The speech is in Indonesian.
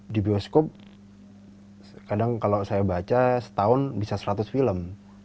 di bioskop kadang kalau saya baca setahun bisa seratus film